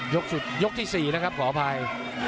สุดยกที่๔นะครับขออภัย